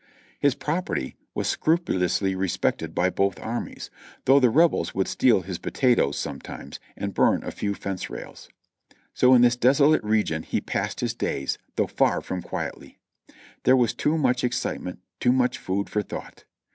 His property was scrupulously respected by both armies, though the Rebels would steal his potatoes sometimes, and burn a few fence rails. So in this desolate region he passed his days, though far from quietly; there was too much excitement, — too much food for thought.